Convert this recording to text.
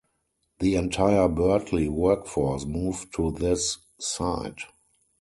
The entire Birtley workforce moved to this site.